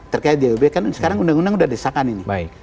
terkait dob kan sekarang undang undang sudah desakan ini